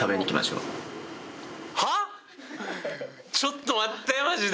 ちょっと待ってマジで。